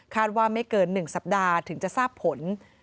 ว่าไม่เกิน๑สัปดาห์ถึงจะทราบผล